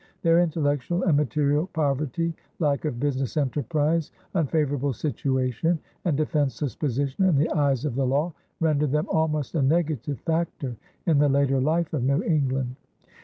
Their intellectual and material poverty, lack of business enterprise, unfavorable situation, and defenseless position in the eyes of the law rendered them almost a negative factor in the later life of New England.